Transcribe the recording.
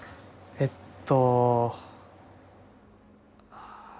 えっと。